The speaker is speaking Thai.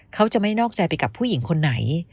เขาจะไม่นอกใจไปกับผู้หญิงคนไหน